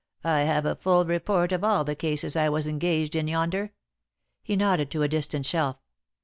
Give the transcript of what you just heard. "I have a full report of all the cases I was engaged in yonder" he nodded to a distant shelf.